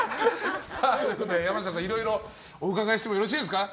山下さん、いろいろお伺いしてもよろしいですか。